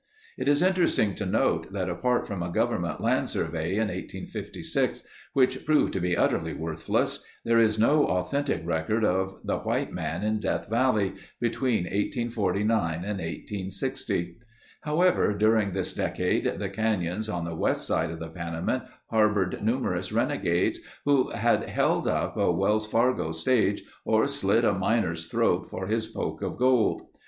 It is interesting to note that apart from a Government Land Survey in 1856, which proved to be utterly worthless, there is no authentic record of the white man in Death Valley between 1849 and 1860. However, during this decade the canyons on the west side of the Panamint harbored numerous renegades who had held up a Wells Fargo stage or slit a miner's throat for his poke of gold.